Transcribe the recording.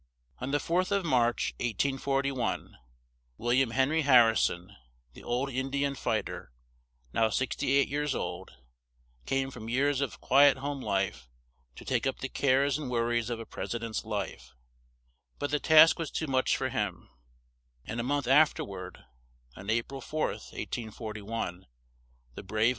On the 4th of March, 1841, Wil liam Hen ry Har ri son, the old In di an fight er, now six ty eight years old, came from years of qui et home life, to take up the cares and wor ries of a pres i dent's life, but the task was too much for him, and a month af ter ward, on A pril 4th, 1841, the brave old man died. JOHN TY LER.